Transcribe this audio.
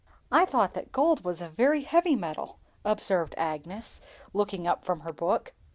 "I thought that gold was a very heavy metal," observed Agnes, looking up from her book.